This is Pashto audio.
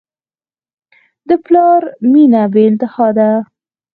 د پلار مینه بېانتها ده.